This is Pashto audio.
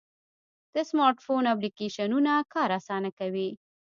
د سمارټ فون اپلیکیشنونه کار آسانه کوي.